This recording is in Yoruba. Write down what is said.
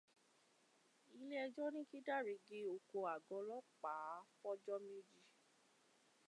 Iléẹjọ́ ní kí Dáre gé oko àgọ́ ọlọ́pàá fọ́jọ́ méjì.